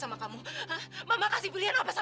aku mau pergi rani